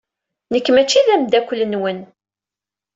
Nekk maci d ameddakel-nwen.